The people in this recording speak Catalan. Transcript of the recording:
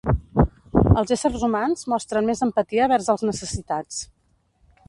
Els éssers humans mostren més empatia vers els necessitats.